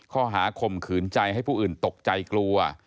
ข้อหาข่มขืนใจให้ผู้อื่นตกใจกลัว